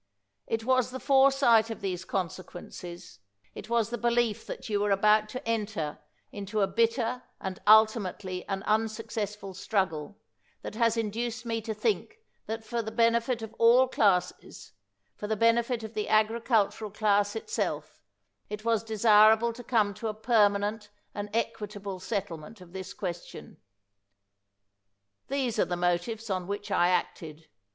It was the foresight of these consequences — it was the belief that you were about to enter into a bitter and, ultimately, an unsuccessful struggle, that has induced me to think that for the benefit of all classes, for the benefit of the agricultural class itself, it was desirable to come to a permanent and equitable settlement of this question. These are the motives on which I acted.